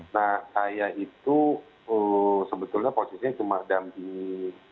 nah kayak itu sebetulnya posisinya cuma dampingi